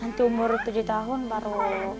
nanti umur tujuh tahun baru